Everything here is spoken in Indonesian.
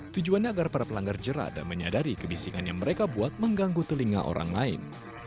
tujuannya agar para pelanggar jerah dan menyadari kebisingan yang mereka buat mengganggu telinga orang lain